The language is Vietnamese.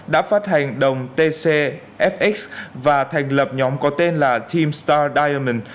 đã phát hành đồng tcfx và thành lập nhóm có tên là team star diamond